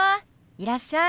いらっしゃい。